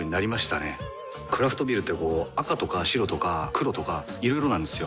クラフトビールってこう赤とか白とか黒とかいろいろなんですよ。